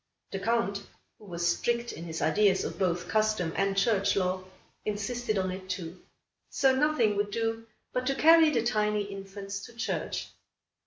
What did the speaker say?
The Count, who was strict in his ideas of both custom and church law, insisted on it too. So nothing would do but to carry the tiny infants to church.